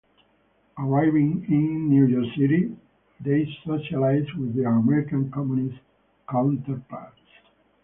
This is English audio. Arriving in New York City, they socialized with their American communist counterparts.